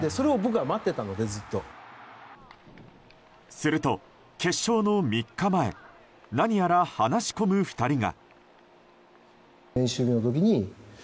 すると、決勝の３日前何やら話し込む２人が。